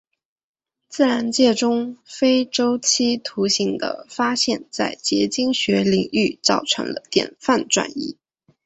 自然界中非周期图形的发现在结晶学领域造成了典范转移。